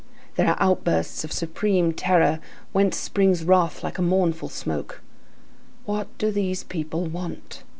There are outbursts of supreme terror, whence springs wrath like a mournful smoke.—"What do these people want?